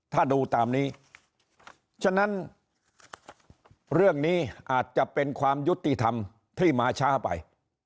ถ้าดูตามนี้ฉะนั้นเรื่องนี้อาจจะเป็นความยุติธรรมที่มาช้าไป